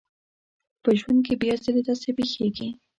په ژوند کې بيا ځلې داسې پېښېږي.